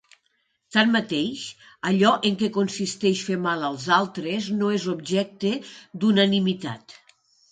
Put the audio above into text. Tanmateix, allò en què consisteix fer mal als altres no és objecte d'unanimitat.